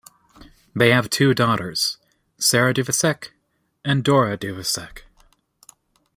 They have two daughters; Sara Duvisac, and Dora Duvisac.